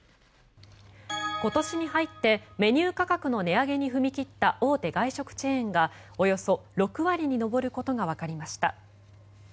今年に入ってメニュー価格の値上げに踏み切った大手外食チェーンがおよそ６割に上ることがわかりました。